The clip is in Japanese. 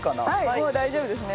もう大丈夫ですね。